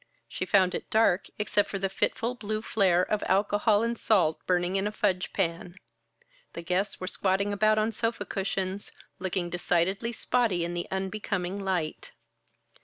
She found it dark, except for the fitful blue flare of alcohol and salt burning in a fudge pan. The guests were squatting about on sofa cushions, looking decidedly spotty in the unbecoming light.